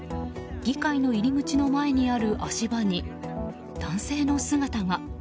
議会の入り口の前にある足場に男性の姿が。